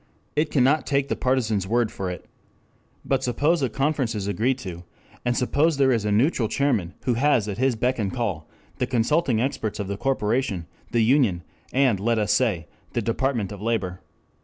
It cannot take the partisans' word for it. But suppose a conference is agreed to, and suppose there is a neutral chairman who has at his beck and call the consulting experts of the corporation, the union, and, let us say, the Department of Labor.